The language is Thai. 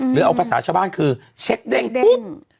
หรือเอาภาษาชาวบ้านคือเช็คเด้งปุ๊บ